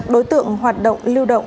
đối tượng hoạt động lưu động